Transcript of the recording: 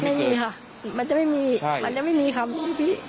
ไม่มีค่ะมันจะไม่มีมันจะไม่มีคำพูดพี่